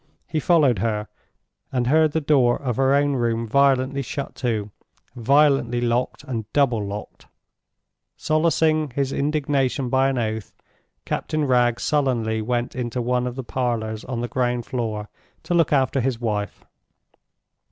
He followed her, and heard the door of her own room violently shut to, violently locked and double locked. Solacing his indignation by an oath, Captain Wragge sullenly went into one of the parlors on the ground floor to look after his wife.